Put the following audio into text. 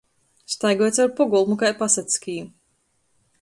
Staigoj caur pogolmu kai pasackī.